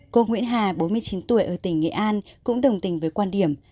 cô nguyễn hà bốn mươi chín tuổi ở tỉnh nghệ an cũng đồng tình với quan điểm